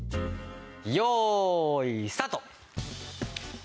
よーいスタート！